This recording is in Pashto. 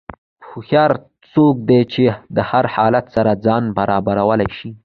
هوښیار څوک دی چې د هر حالت سره ځان برابرولی شي.